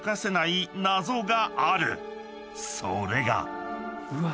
［それが］